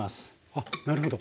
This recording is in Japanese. あっなるほど。